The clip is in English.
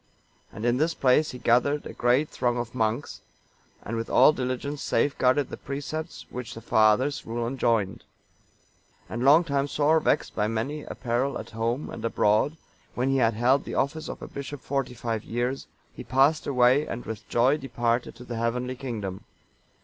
And in this place he gathered a great throng of monks, and with all diligence safeguarded the precepts which the Fathers' rule enjoined. And long time sore vexed by many a peril at home and abroad, when he had held the office of a bishop forty five years, he passed away and with joy departed to the heavenly kingdom.